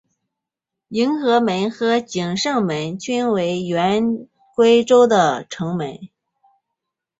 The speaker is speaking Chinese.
迎和门和景圣门均为原归州的城门。